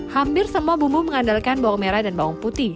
hampir semua bumbu mengandalkan bawang merah dan bawang putih